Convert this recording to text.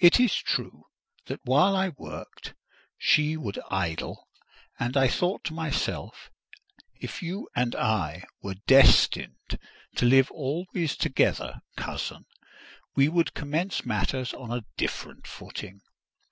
It is true, that while I worked, she would idle; and I thought to myself, "If you and I were destined to live always together, cousin, we would commence matters on a different footing.